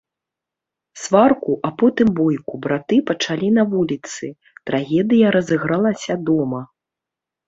Сварку, а потым бойку браты пачалі на вуліцы, трагедыя разыгралася дома.